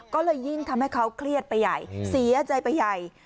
ก็เลยยิ่งทำให้เขาเครียดไปใหญ่เสียใจไปใหญ่